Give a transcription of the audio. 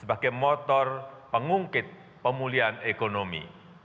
apbn adalah motor pengungkit pemulihan ekonomi